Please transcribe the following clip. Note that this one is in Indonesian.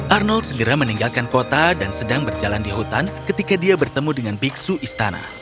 arnold segera meninggalkan kota dan sedang berjalan di hutan ketika dia bertemu dengan biksu istana